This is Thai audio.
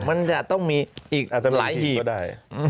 มันจะต้องมีอีกอาจารย์หีบก็ได้